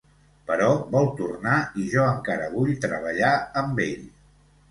Però vol tornar i jo encara vull treballar amb ell.